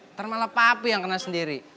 ntar malah papi yang kena sendiri